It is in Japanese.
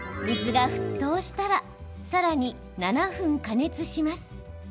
水が沸騰したらさらに７分加熱します。